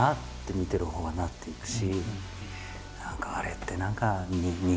見てるほうはなっていくし。